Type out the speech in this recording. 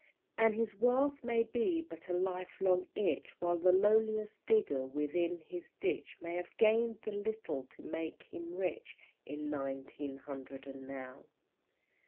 And his wealth may be but a lifelong itch, While the lowliest digger within his ditch May have gained the little to make him rich In nineteen hundred and now.